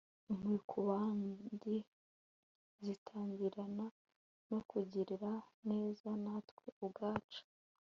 impuhwe ku bandi zitangirana no kugirira neza natwe ubwacu